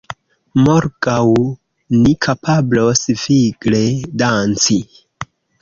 Morgaŭ ni kapablos vigle danci